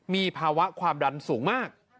มีภาวะความดันสูงมาก